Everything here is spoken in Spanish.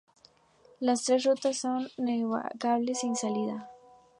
Los tres son rutas navegables sin salida.